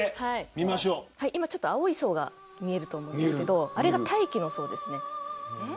今、青い層が見えると思うんですけどあれが大気の層です。